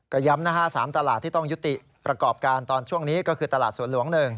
ก็ย้ำนะฮะ๓ตลาดที่ต้องยุติประกอบการตอนช่วงนี้ก็คือตลาดสวนหลวง๑